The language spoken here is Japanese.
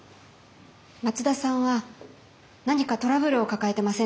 松田さんは何かトラブルを抱えてませんでしたか？